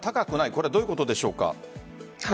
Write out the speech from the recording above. これどういうことでしょうか？